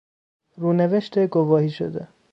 رونوشت گواهی شده